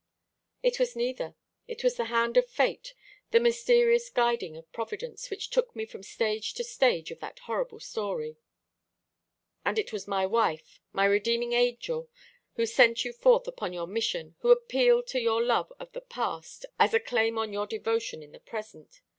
"It was neither. It was the hand of Fate, the mysterious guiding of Providence, which took me from stage to stage of that horrible story." "And it was my wife my redeeming angel who sent you forth upon your mission, who appealed to your love of the past as a claim on your devotion in the present.